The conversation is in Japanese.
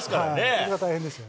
それが大変でしたね。